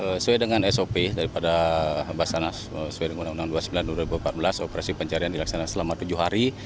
sesuai dengan sop daripada basanas sesuai dengan undang undang dua puluh sembilan dua ribu empat belas operasi pencarian dilaksanakan selama tujuh hari